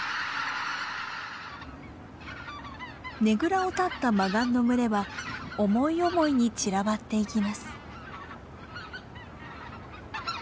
ねぐらをたったマガンの群れは思い思いに散らばっていきます。